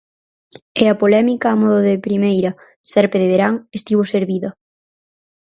E a polémica a modo de primeira "serpe de verán" estivo servida.